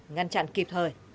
ngăn chặn kịp